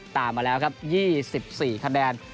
ตามมาแล้วครับยี่สิบสี่คะแดน